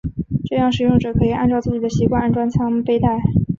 这样使用者可以按照自己的习惯安装枪背带。